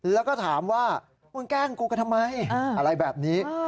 แล้วก็ถามว่ามึงแกล้งกูก็ทำไมอะไรแบบนี้